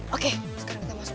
oke sekarang kita masuk